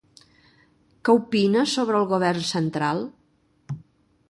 Què opina sobre el govern central?